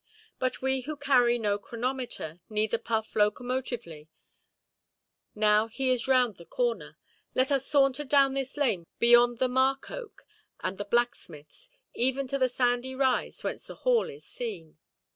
But we who carry no chronometer, neither puff locomotively—now he is round the corner—let us saunter down this lane beyond the mark–oak and the blacksmithʼs, even to the sandy rise whence the Hall is seen.